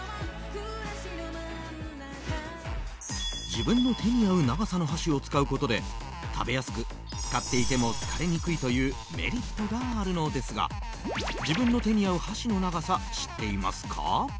自分の手に合う長さの箸を使うことで食べやすく使っていても疲れにくいというメリットがあるのですが自分の手に合う箸の長さ知っていますか？